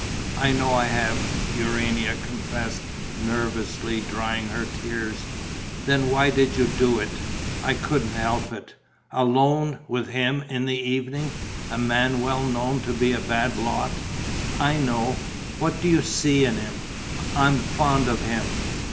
"I know I have!" Urania confessed, nervously, drying her tears. "Then why did you do it?" "I couldn't help it." "Alone, with him, in the evening! A man well known to be a bad lot." "I know." "What do you see in him?" "I'm fond of him."